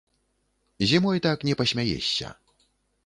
Зімой так не пасмяешся.